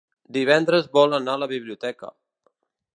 Divendres vol anar a la biblioteca.